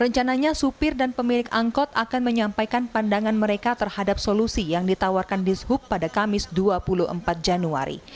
rencananya supir dan pemilik angkot akan menyampaikan pandangan mereka terhadap solusi yang ditawarkan dishub pada kamis dua puluh empat januari